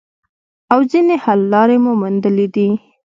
او ځینې حل لارې مو موندلي دي